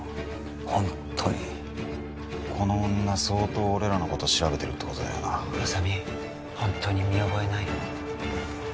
ホントにこの女相当俺らのこと調べてるってことだよな浅見ホントに見覚えない？